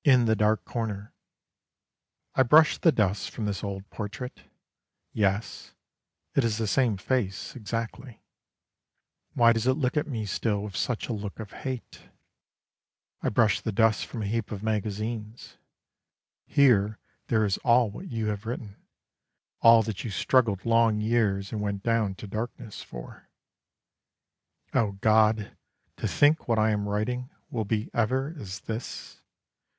IN THE DARK CORNER I brush the dust from this old portrait: Yes, it is the same face, exactly, Why does it look at me still with such a look of hate? I brush the dust from a heap of magazines: Here there is all what you have written, All that you struggled long years and went down to darkness for. O God, to think what I am writing Will be ever as this!